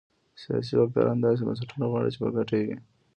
سیاسي واکداران داسې بنسټونه غواړي چې په ګټه یې وي.